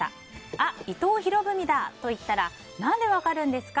あ、伊藤博文だ！と言ったら何で分かるんですか？